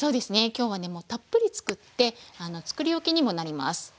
今日はねもうたっぷり作って作り置きにもなります。